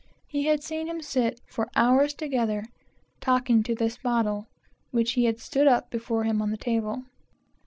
He had seen him sit for hours together, talking to this bottle, which he stood up before him on the table.